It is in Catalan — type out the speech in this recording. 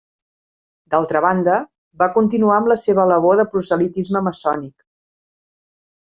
D'altra banda, va continuar amb la seva labor de proselitisme maçònic.